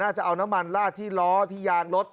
จะเอาน้ำมันลาดที่ล้อที่ยางรถ